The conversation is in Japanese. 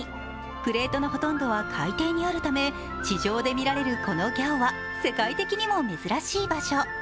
プレートのほとんどは海底にあるため地上で見られるこのギャオは世界的にも珍しい場所。